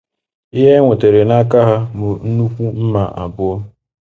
Ihe e nwetara n’aka ha bụ nnukwu mma abụọ